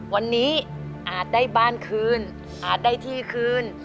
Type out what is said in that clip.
วันนี้อาจได้บ้านคืนอาจได้ที่คืน